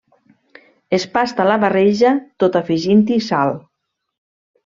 Es pasta la barreja tot afegint-hi sal.